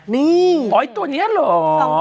นี่ตัวนี้เหรอ